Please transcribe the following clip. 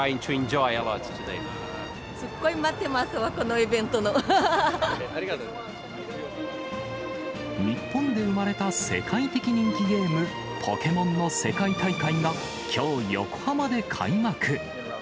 すっごい、待ってます、日本で生まれた世界的人気ゲーム、ポケモンの世界大会が、きょう、横浜で開幕。